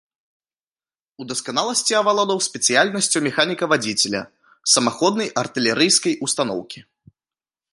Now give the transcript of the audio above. У дасканаласці авалодаў спецыяльнасцю механіка-вадзіцеля самаходнай артылерыйскай устаноўкі.